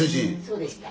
そうでした。